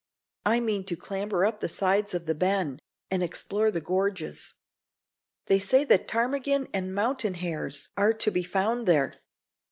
"I mean to clamber up the sides of the Ben, and explore the gorges. They say that ptarmigan and mountain hares are to be found there."